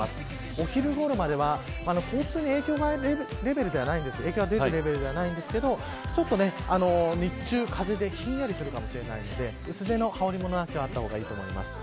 お昼ごろまでは交通に影響が出るレベルではないんですがちょっと日中、風でひんやりするかもしれないので薄手の羽織りものがあったほうがいいと思います。